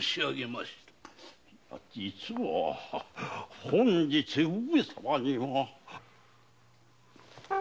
実は本日上様には。